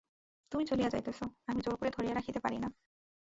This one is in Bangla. তুমি চলিয়া যাইতেছ, আমি জোর করিয়া ধরিয়া রাখিতে পারি না।